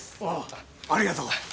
ああありがとう。